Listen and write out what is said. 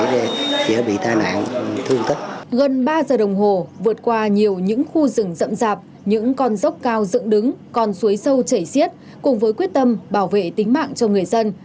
gần ba giờ đồng hồ vượt qua nhiều những khu rừng rậm rạp những con dốc cao dựng đứng con suối sâu chảy xiết cùng với quyết tâm bảo vệ tính mạng cho người dân